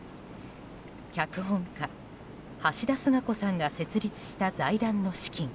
脚本家・橋田壽賀子さんが設立した財団の資金